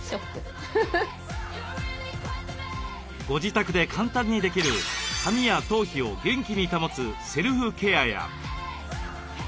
ご自宅で簡単にできる髪や頭皮を元気に保つセルフケアや。